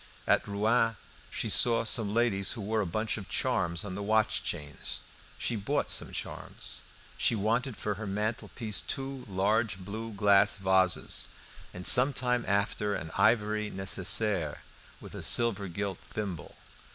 At Rouen she saw some ladies who wore a bunch of charms on the watch chains; she bought some charms. She wanted for her mantelpiece two large blue glass vases, and some time after an ivory necessaire with a silver gilt thimble.